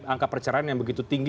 angka perceraian yang begitu tinggi